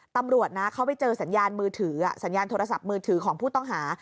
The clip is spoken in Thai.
ตำรวจนะเขาไปเจอสัญญาณมือถือสัญญาณโทรศัพท์มือถือของผู้ต้องหา